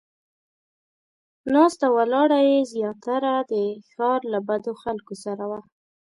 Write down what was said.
ناسته ولاړه یې زیاتره د ښار له بدو خلکو سره وه.